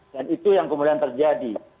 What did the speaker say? dan itu yang kemudian terjadi